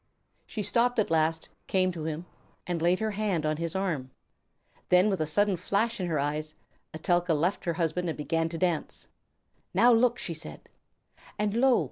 She stopped at last, came to him, and laid her hand on his arm. [Illustration: Then with a sudden flash in her eyes, Etelka left her husband and began to dance. Page 202.] "Now look," she said. And lo!